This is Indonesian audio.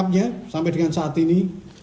pertanyaan yang saya inginkan saat ini